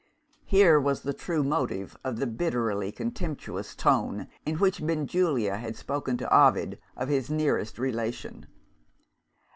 Here was the true motive of the bitterly contemptuous tone in which Benjulia had spoken to Ovid of his nearest relation.